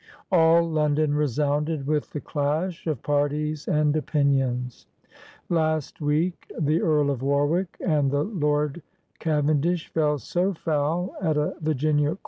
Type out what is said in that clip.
'* AU London resounded with the clash of parties and opinions. '*^ Last week the Earl of Warwick and the Lord Cavendish fell so foul at a Virginia